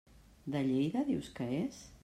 De Lleida dius que és?